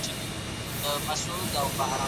سیاست به په راتلونکي کي نور هم پرمختګ وکړي.